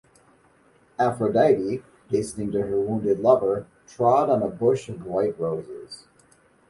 Aphrodite, hastening to her wounded lover, trod on a bush of white roses.